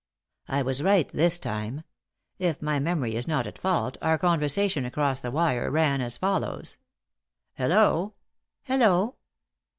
I was right this time. If my memory is not at fault, our conversation across the wire ran as follows. "Hello!" "Hello!"